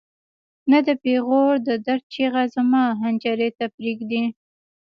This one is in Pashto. نه د پېغور د درد چیغه زما حنجرې ته پرېږدي.